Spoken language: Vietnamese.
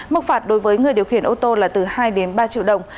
mức phạt đối với người điều khiển ô tô là từ hai đến ba triệu đồng